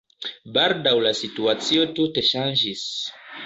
Baldaŭ la situacio tute ŝanĝis.